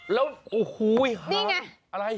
แล้วโอ๊ยฮะอะไร